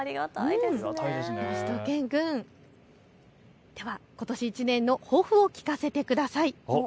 しゅと犬くん、ことし１年の抱負を聞かせてください。